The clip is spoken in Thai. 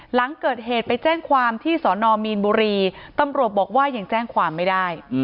หลังเกิดเหตุไปแจ้งความที่สอนอมีนบุรีตำรวจบอกว่ายังแจ้งความไม่ได้